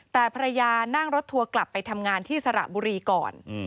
แต่ภรรยานั่งรถทัวร์กลับไปทำงานที่สระบุรีก่อน